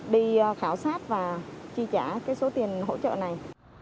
đi khảo sát và chi trả cái số tiền hỗ trợ này